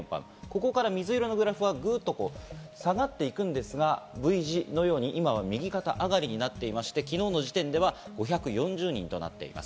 水色のグラフはここからグッと下がっていくんですが、Ｖ字のように今は右肩上がりになっていまして、昨日の時点では５４０人となっています。